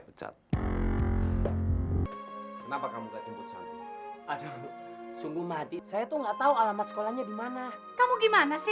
kamu gimana sih